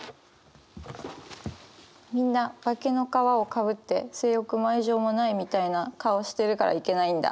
「みんな化けの皮を被って性欲も愛情もないみたいな顔してるからいけないんだ」。